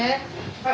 ・はい。